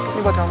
ini buat kamu